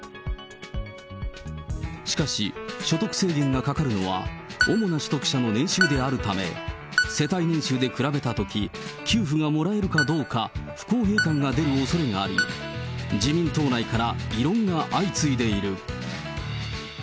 しかし、所得制限がかかるのは、主な取得者の年収であるため、世帯年収で比べたとき、給付がもらえるかどうか不公平感が出るおそれがあり、自民党内から異論が相次いでいる。